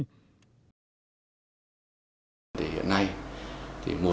hiện nay một số đơn vị được tỉnh khuyến khích hướng dẫn thực hiện chế biến sâu